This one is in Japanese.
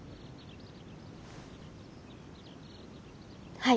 はい。